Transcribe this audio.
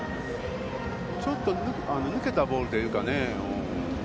ちょっと抜けたボールというかね。